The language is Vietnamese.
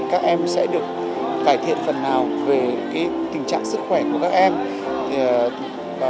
các em sẽ được cải thiện phần nào về tình trạng sức khỏe của các em